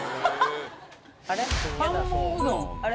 あれ？